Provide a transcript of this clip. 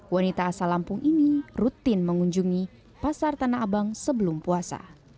wanita asal lampung ini rutin mengunjungi pasar tanah abang sebelum puasa